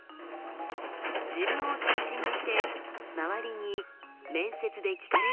自分を中心にして周りに面接で聞かれそうなキーワード